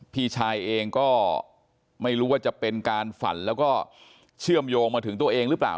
พี่ชายเองก็ไม่รู้ว่าจะเป็นการฝันแล้วก็เชื่อมโยงมาถึงตัวเองหรือเปล่า